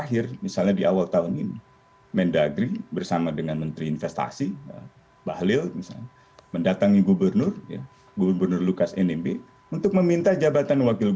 kepentingan bisnisnya sendiri